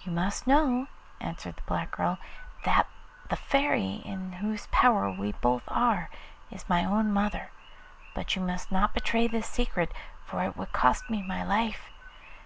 'You must know,' answered the black girl, 'that the Fairy in whose power we both are is my own mother, but you must not betray this secret, for it would cost me my life.